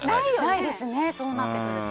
ないですね、そうなってくると。